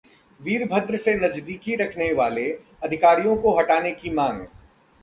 वीरभद्र से नजदीकी रखने वाले अधिकारियों को हटाने की मांग